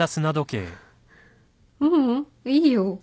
ううんいいよ。